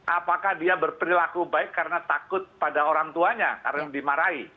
apakah dia berperilaku baik karena takut pada orang tuanya karena dimarahi